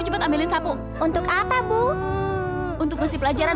jangan nangis terus